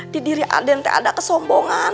tidiri aden teh ada kesombongan